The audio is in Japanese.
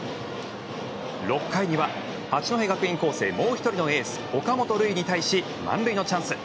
６回には、八戸学院光星もう１人のエース岡本琉奨に対し満塁のチャンス。